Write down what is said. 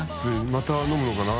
また飲むのかな？